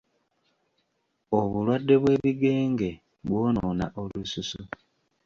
Obulwadde bw'ebigenge bwonoona olususu.